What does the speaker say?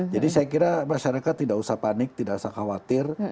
jadi saya kira masyarakat tidak usah panik tidak usah khawatir